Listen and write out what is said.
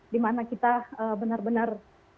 di mana kita benar benar